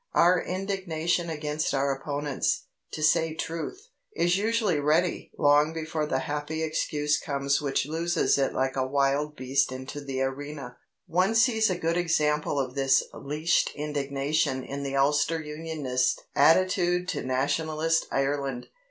Our indignation against our opponents, to say truth, is usually ready long before the happy excuse comes which looses it like a wild beast into the arena. One sees a good example of this leashed indignation in the Ulster Unionist attitude to Nationalist Ireland.